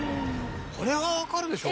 これはわかるでしょ。